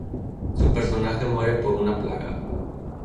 Su personaje muere por una plaga.